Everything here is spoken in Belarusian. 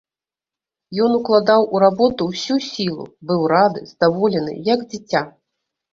Ён укладаў у работу ўсю сілу, быў рады, здаволены, як дзіця.